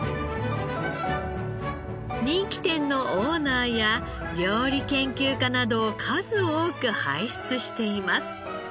人気店のオーナーや料理研究家などを数多く輩出しています。